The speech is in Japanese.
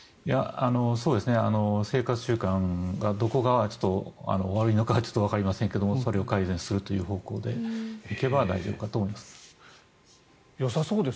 生活習慣がどこが悪いのかはちょっとわかりませんけどそれを改善するという方向で行けば大丈夫かと思います。